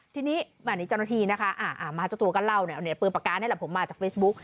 ทีนี้วันนี้เจ้าหน้าทีนะคะมาเจ้าตัวกันเล่าเนี่ยเปลือกประการให้ผมมาจากเฟซบุ๊ค